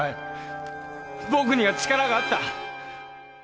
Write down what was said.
僕には力があった！